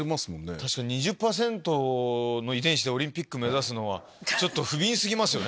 確かに２０％の遺伝子でオリンピック目指すのはちょっとふびん過ぎますよね